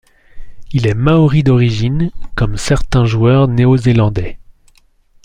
Il est maori d'origine comme certains joueur néo-zélandais.